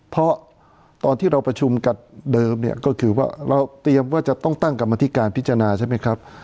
เพราะตอนที่เราประชุมกับเดิมเนี่ยก็คือว่าเราเตรียมว่าจะต้องตั้งกรรมธิการพิจารณาใช่ไหมครับ